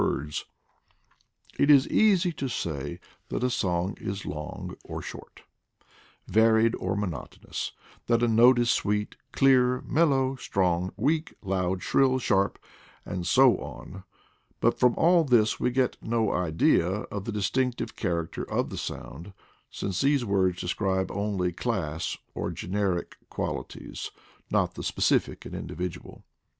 It 144 IDLE DAYS IN PATAGONIA; is easy to say that a song is long or short, varied or monotonous, that a note is sweet, dear, mellow, strong, weak, load, shrill, sharp, and so on; bnt from all this we get no idea of the distinctive character of the sound, since these words describe only class, or generic qualities, not the specific and individual.